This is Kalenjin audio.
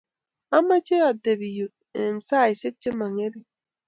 amache atebe yu eng saishe che mo ngering.